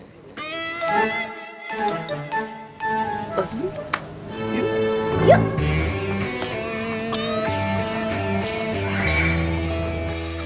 tepuk tangan pak